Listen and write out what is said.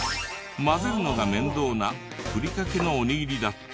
混ぜるのが面倒なふりかけのおにぎりだって。